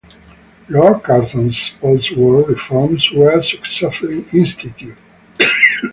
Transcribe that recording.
Lord Curzon's post-War reforms were successfully instituted.